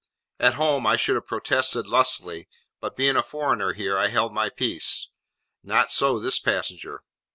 At home, I should have protested lustily, but being a foreigner here, I held my peace. Not so this passenger.